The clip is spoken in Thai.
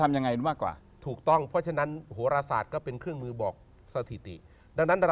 อาจารย์บอกไม่เคย